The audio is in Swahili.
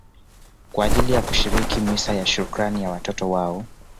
kwa ajili ya kushiriki misa ya shukrani ya watoto wao